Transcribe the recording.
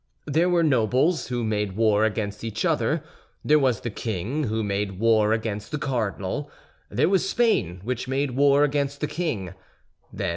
There were nobles, who made war against each other; there was the king, who made war against the cardinal; there was Spain, which made war against the king.